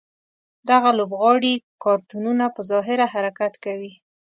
دغه لوبغاړي کارتونونه په ظاهره حرکت کوي.